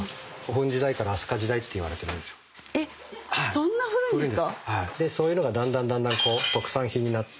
そんな古いんですか？